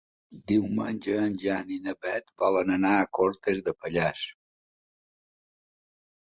Diumenge en Jan i na Beth volen anar a Cortes de Pallars.